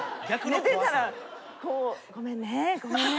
寝てたらこう「ごめんね。ごめんね」